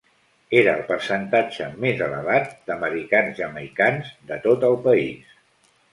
Era el percentatge més elevat d'americans jamaicans de tot el país.